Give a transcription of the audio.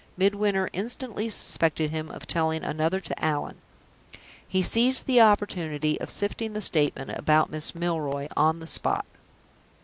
Midwinter instantly suspected him of telling another to Allan. He seized the opportunity of sifting the statement about Miss Milroy on the spot.